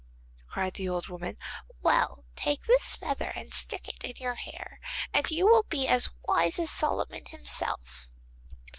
cried the old woman. 'Well, take this feather and stick it in your hair, and you will be as wise as Solomon himself.